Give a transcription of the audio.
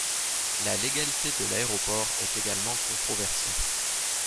La légalité de l'aéroport est également controversée.